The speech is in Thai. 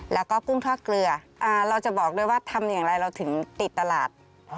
แล้วก็กุ้งทอดเกลือเราจะบอกด้วยว่าทำอย่างไรเราถึงติดตลาด